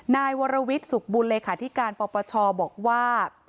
นายวรวิทย์สุขบุญเลขาธิการปปชบอกว่า